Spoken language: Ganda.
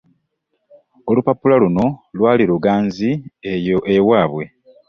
Olupapula luno lwali luganzi eyo ewaabwe.